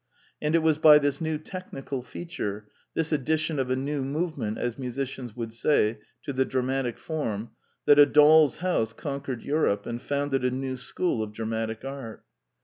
And it was by this new technical feature: this addition of a new movement, as musicians would say, to the dramatic form, that A Doll's House con quered Europe and founded a new school of dramatic art.